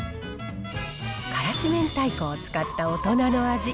辛子明太子を使った大人の味。